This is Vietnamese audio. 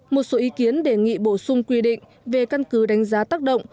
một số ý kiến đề nghị bổ sung quy định về căn cứ đánh giá tác động